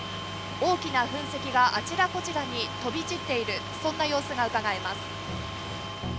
大きな噴石があちらこちらに飛び散っている様子がうかがえます。